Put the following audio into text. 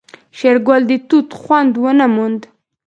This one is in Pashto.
شېرګل د توت خوند ونه موند.